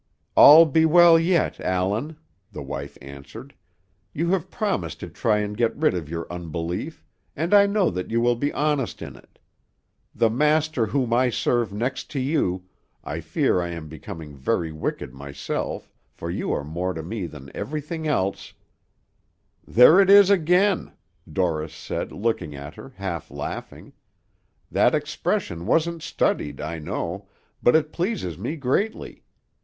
"All be well yet, Allan," the wife answered. "You have promised to try and get rid of your unbelief, and I know that you will be honest in it. The Master whom I serve next to you I fear I am becoming very wicked myself, for you are more to me than everything else " "There it is again," Dorris said, looking at her, half laughing. "That expression wasn't studied, I know, but it pleases me greatly.